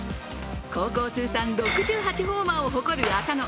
高校通算６８ホーマーを誇る浅野。